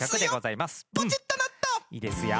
いいですよ。